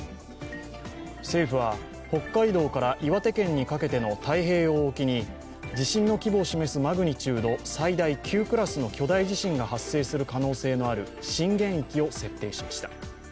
政府は、北海道から岩手県にかけての太平洋沖に地震の規模を示すマグニチュード最大９クラスの巨大地震が発生する可能性のある震源域を設定しました。